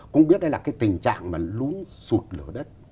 cũng biết đây là cái tình trạng mà lún sụt lở đất